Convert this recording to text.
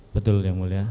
betul yang mulia